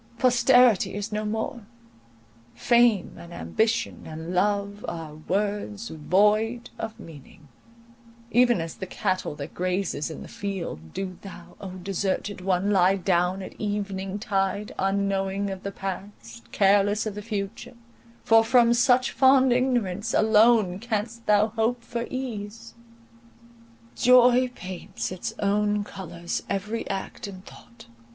Posterity is no more; fame, and ambition, and love, are words void of meaning; even as the cattle that grazes in the field, do thou, O deserted one, lie down at evening tide, unknowing of the past, careless of the future, for from such fond ignorance alone canst thou hope for ease! Joy paints with its own colours every act and thought.